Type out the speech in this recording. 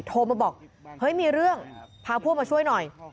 โทรมาบอกเฮ้ยมีเรื่องพาพวกมาช่วยหน่อย